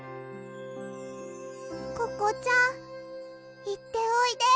ココちゃんいっておいで。